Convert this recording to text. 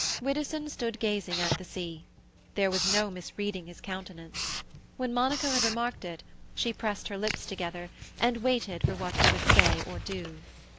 Widdowson stood gazing at the sea. There was no misreading his countenance. When Monica had remarked it, she pressed her lips together, and waited for what he would say or do.